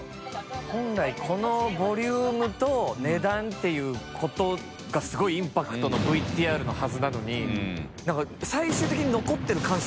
本来このボリュームと値段っていうことがすごいインパクトのＶＴＲのはずなのに何か最終的に残ってる感触